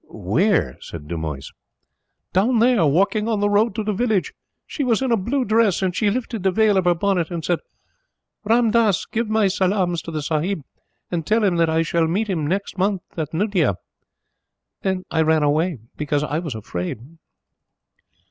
"Where?" said Dumoise. "Down there, walking on the road to the village. She was in a blue dress, and she lifted the veil of her bonnet and said: 'Ram Dass, give my salaams to the Sahib, and tell him that I shall meet him next month at Nuddea.' Then I ran away, because I was afraid."